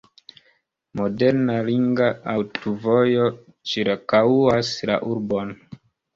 Moderna ringa aŭtovojo ĉirkaŭas la urbon.